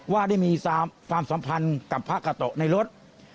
ว่าได้มีความสัมพันธ์กับพระกาโตะในรถ